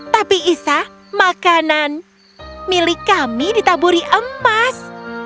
tapi isa makanan milik kami ditaburi emas